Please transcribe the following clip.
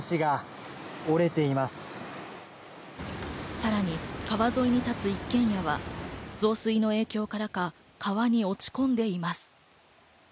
さらに川沿いに建つ一軒家は増水の影響からか川に落ち込んでいます。